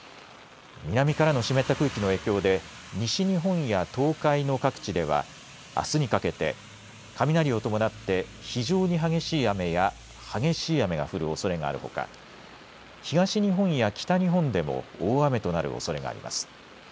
南からの湿った空気の影響で西日本や東海の各地ではあすにかけて雷を伴って非常に激しい雨や激しい雨が降るおそれがあるほか東日本や北日本でも大雨となるおそれがあります。